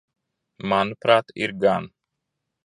Manuprāt, ir gan.